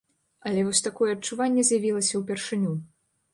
Але вось такое адчуванне з'явілася ўпершыню.